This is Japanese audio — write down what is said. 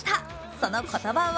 その言葉は？